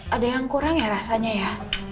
ada yang kurang ya rasanya ya